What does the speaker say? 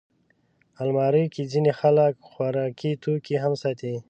الماري کې ځینې خلک خوراکي توکي هم ساتي